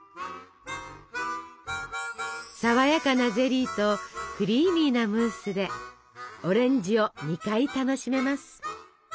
さわやかなゼリーとクリーミーなムースでオレンジを２回楽しめます。